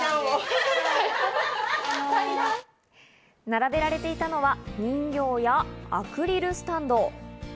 並べられていたのは人形やアクリルスタンド。